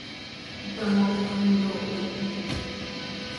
itamotjö, iyoohit.